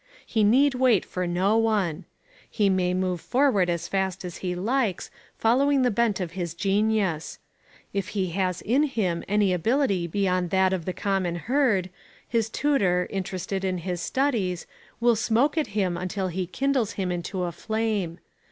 He need wait for no one. He may move forward as fast as he likes, following the bent of his genius. If he has in him any ability beyond that of the common herd, his tutor, interested in his studies, will smoke at him until he kindles him into a flame.